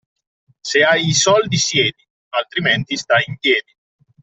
Se hai i soldi siedi altrimenti stai in piedi.